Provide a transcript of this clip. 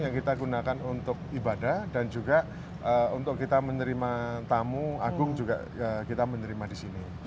yang kita gunakan untuk ibadah dan juga untuk kita menerima tamu agung juga kita menerima di sini